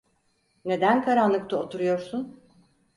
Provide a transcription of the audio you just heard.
Neden karanlıkta oturuyorsun?